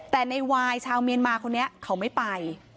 แต่ในวายชาวเมียนมาคนนี้เขาไม่ไป